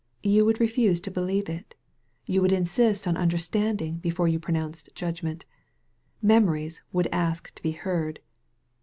You would refuse to believe it. You would insist on understanding before you pronounced judgment. Memories would ask to be heard.